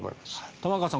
玉川さん